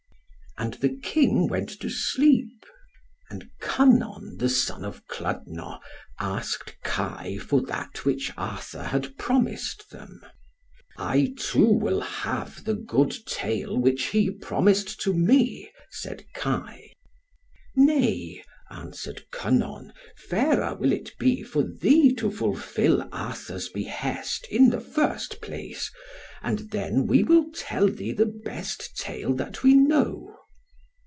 And the King went to sleep. And Kynon the son of Clydno asked Kai for that which Arthur had promised them. "I too will have the good tale which he promised to me," said Kai. "Nay," answered Kynon, "fairer will it be for thee to fulfil Arthur's behest in the first place, and then we will tell thee the best tale that we know."